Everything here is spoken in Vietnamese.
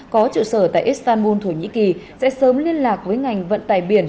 có trụ sở tại istanbul thổ nhĩ kỳ sẽ sớm liên lạc với ngành vận tải biển